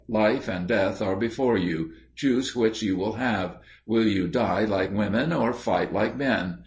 Life and death are before you; choose which you will have: will you die like women or fight like men?